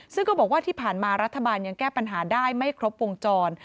ซึ่งก็บอกว่าที่ผ่านมารัฐบาลยังแก้ปัญหาได้ไม่ครบวงจร